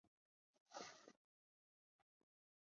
而后高诱为之作注解。